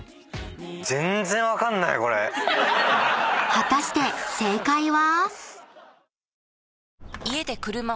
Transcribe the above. ［果たして正解は？］